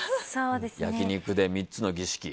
焼き肉で３つの儀式。